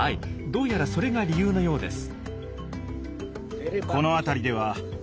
どうやらそれが理由のようです。